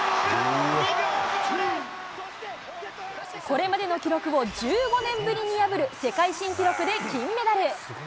これまでの記録を１５年ぶりに破る、世界新記録で金メダル。